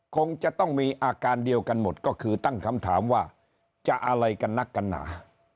คงจะต้องมีอาการเดียวกันหมดก็คือตั้งคำถามว่าจะอะไรกันนักกันหนา